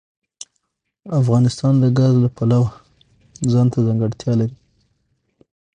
افغانستان د ګاز د پلوه ځانته ځانګړتیا لري.